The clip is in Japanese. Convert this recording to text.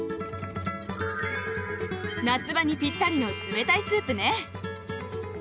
夏場にぴったりの冷たいスープね。